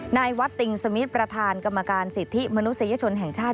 นายวัดติงสมิทประธานกรรมการสิทธิมนุษยชนแห่งชาติ